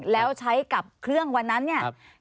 ใครกับเครื่องวันนั้นเนี่ย